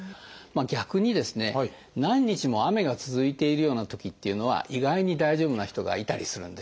逆に何日も雨が続いているようなときというのは意外に大丈夫な人がいたりするんです。